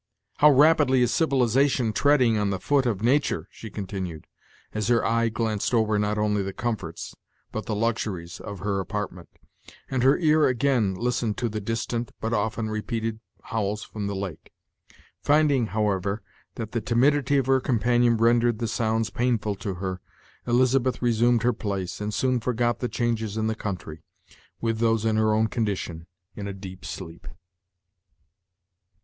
"How rapidly is civilization treading on the foot of Nature!" she continued, as her eye glanced over not only the comforts, but the luxuries of her apartment, and her ear again listened to the distant, but often repeated howls from the lake. Finding, how ever, that the timidity of her companion rendered the sounds painful to her, Elizabeth resumed her place, and soon forgot the changes in the country, with those in her own condition, in a deep sleep.